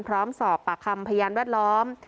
พร้อมสอบปากคำพยานแวดล้อม